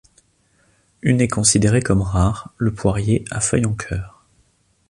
Une est considérée comme rare, le Poirier à feuilles en cœur.